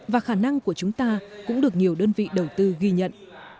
và khả năng của chúng ta cũng được nhiều đơn vị đầu tư ghi nhận